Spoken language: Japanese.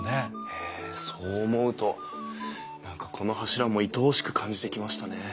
へえそう思うと何かこの柱もいとおしく感じてきましたね。